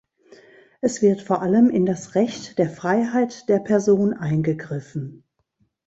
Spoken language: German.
Es wird vor allem in das Recht der Freiheit der Person eingegriffen.